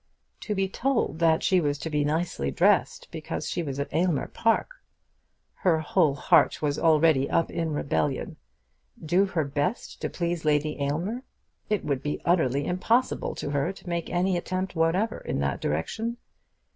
To be told that she was to be nicely dressed because she was at Aylmer Park! Her whole heart was already up in rebellion. Do her best to please Lady Aylmer! It would be utterly impossible to her to make any attempt whatever in that direction.